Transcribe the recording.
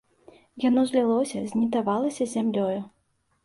Яно злілося, знітавалася з зямлёю.